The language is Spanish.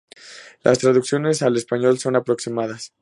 Las traducciones al español son aproximadas.